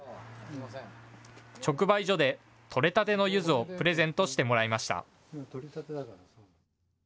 直売所で取れたてのゆずをプレゼントしてもらいました。